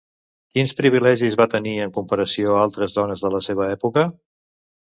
Quins privilegis va tenir en comparació a altres dones de la seva època?